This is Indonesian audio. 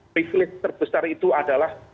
privilege terbesar itu adalah